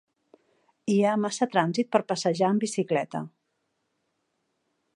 Hi ha massa trànsit per passejar amb bicicleta.